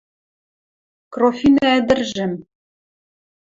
Крофинӓ ӹдӹржӹм